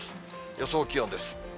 予想気温です。